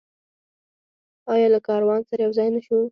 آیا له کاروان سره یوځای نشو؟